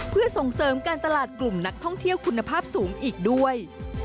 เพื่อส่งเสริมการตลาดกลุ่มนักท่องเที่ยวคุณภาพสูงอีกด้วย